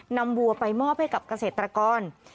วัวไปมอบให้กับเกษตรกร